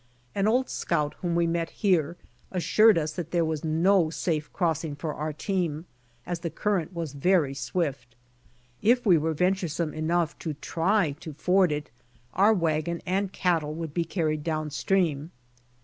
An old scout, whom we met here, assured us that there was no safe crossing for our team, as the current was very swift. If we were venturesome enough to try to ford it our wagon and cattle would be carried down stream.